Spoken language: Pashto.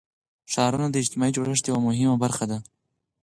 ښارونه د اجتماعي جوړښت یوه مهمه برخه ده.